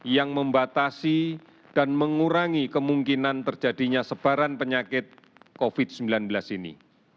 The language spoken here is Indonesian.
yang membatasi dan mengurangi kemungkinan terjadinya sebaran penyakit covid sembilan belas ini